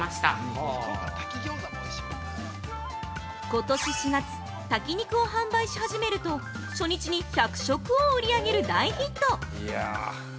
◆ことし４月、炊き肉を販売し始めると、初日に１００食を売り上げる大ヒット！